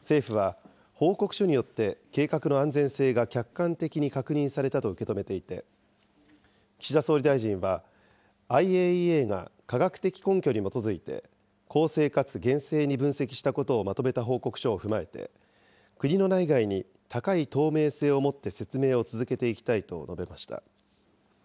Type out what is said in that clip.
政府は、報告書によって計画の安全性が客観的に確認されたと受け止めていて、岸田総理大臣は、ＩＡＥＡが科学的根拠に基づいて、公正かつ厳正に分析したことをまとめた報告書を踏まえて、国の内外に高い透明性を持って説明を続けていきたいと述べました。